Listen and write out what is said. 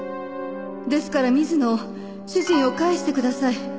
「ですから水野を主人を返して下さい」